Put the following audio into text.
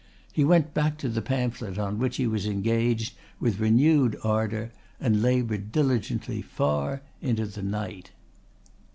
He went back to the pamphlet on which he was engaged with renewed ardour and laboured diligently far into the night.